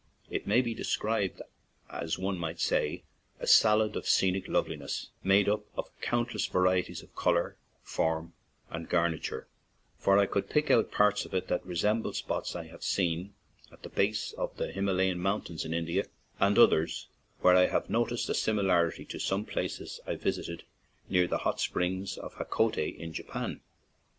It may be described as, one might say, a salad of scenic loveliness, made up of count less varieties of color, form, and garniture ; for I could pick out parts of it that re semble spots I have seen at the base of the Himalaya Mountains in India, and others where I have noticed a similarity to some places I visited near the Hot Springs of Hakone, in Japan.